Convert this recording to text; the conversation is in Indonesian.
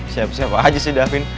siapa siapa aja sih davin